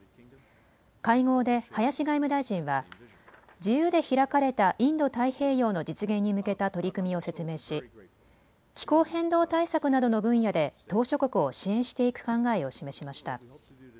会合で林外務大臣は自由で開かれたインド太平洋の実現に向けた取り組みを説明し気候変動対策などの分野で島しょ国を支援していく考えを示しました。